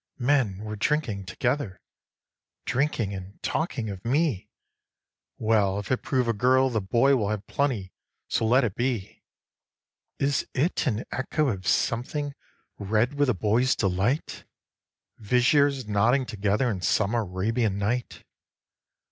2. Men were drinking together, Drinking and talking of me; 'Well, if it prove a girl, the boy Will have plenty: so let it be.' 3. Is it an echo of something Read with a boy's delight, Viziers nodding together In some Arabian night?